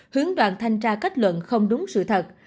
hướng đoàn thanh tra kết luận không đúng sự thật